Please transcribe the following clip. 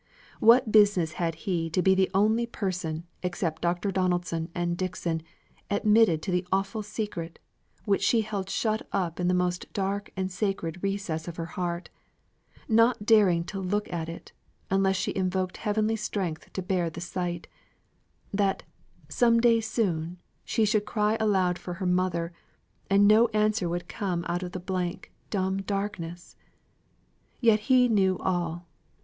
What business had he to be the only person, except Dr. Donaldson and Dixon, admitted to the awful secret, which she held shut up in the most dark and sacred recess of her heart not daring to look at it, unless she invoked heavenly strength to bear the sight that, some day soon, she should cry aloud for her mother, and no answer would come out of the blank, dumb darkness? Yet he knew all.